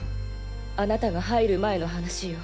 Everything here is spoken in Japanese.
あなたが入る前の話よ。